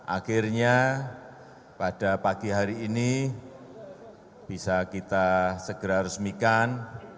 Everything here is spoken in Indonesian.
akhirnya pada pagi hari ini bisa kita segera resmikan